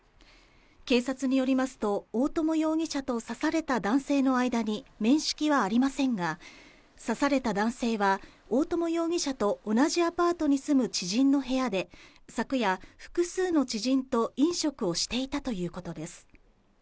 警察によりますと、大友容疑者と刺された男性の間に面識はありませんが、刺された男性は大友容疑者と同じアパートに住む知人の部屋で昨夜、複数の知人と飲食をしていたということです。